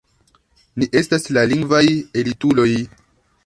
Ni estas la lingvaj elituloj!